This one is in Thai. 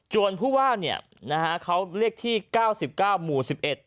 จวนผู้ว่าเนี่ยนะคะเขาเรียกที่๙๙หมู่๑๑